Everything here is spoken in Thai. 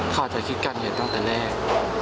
เขาอาจจะคิดกันอยู่ตั้งแต่แรก